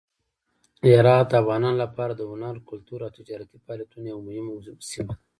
هرات د افغانانو لپاره د هنر، کلتور او تجارتي فعالیتونو یوه مهمه سیمه ده.